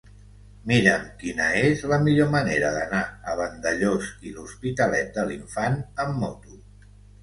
Mira'm quina és la millor manera d'anar a Vandellòs i l'Hospitalet de l'Infant amb moto.